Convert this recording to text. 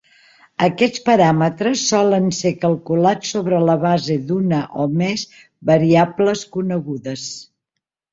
Aquests paràmetres solen ser calculats sobre la base d'una o més variables conegudes.